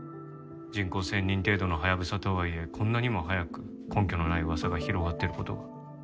人口１０００人程度のハヤブサとはいえこんなにも早く根拠のない噂が広がってる事が。